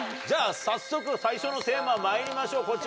じゃあ早速最初のテーマまいりましょう。